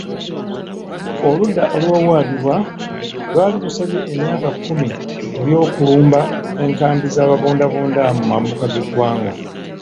Oludda oluwawaabirwa lwali lusabye emyaka kkumi ku by'okulumba enkambi z'ababuudabuuda mu mambuka g'eggwanga.